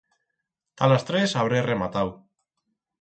Ta las tres habré rematau.